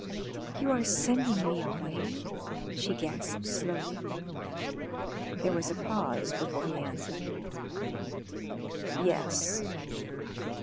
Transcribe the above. "You are sending me away?" she gasped slowly. There was a pause before he answered. "Yes."